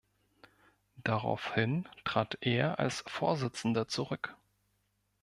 Daraufhin trat er als Vorsitzender zurück.